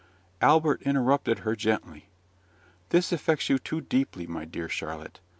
Albert interrupted her gently. "This affects you too deeply, my dear Charlotte.